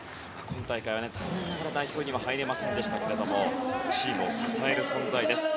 今大会は残念ながら代表には入れませんでしたがチームを支える存在です。